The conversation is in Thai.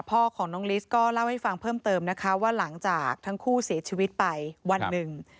พ่อของน้องลิสก็เล่าให้ฟังเพิ่มเติมนะคะว่าหลังจากทั้งคู่เสียชีวิตไปวันหนึ่ง